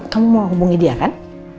kamu mau hubungi dia kan